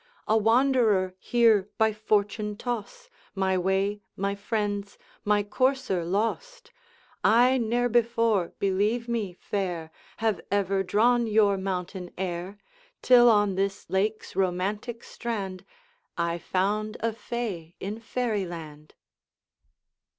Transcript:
A wanderer, here by fortune toss, My way, my friends, my courser lost, I ne'er before, believe me, fair, Have ever drawn your mountain air, Till on this lake's romantic strand I found a fey in fairy land!'